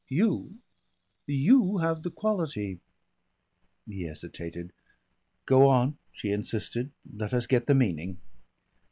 You you have the quality " He hesitated. "Go on," she insisted. "Let us get the meaning."